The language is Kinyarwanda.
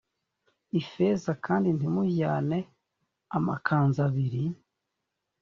ifeza kandi ntimujyane amakanzu abiri